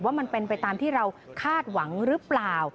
มันเป็นไปตามที่เราคาดหวังหรือเปล่า